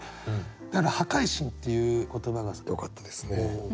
だから「破壊神」っていう言葉がよかったですね。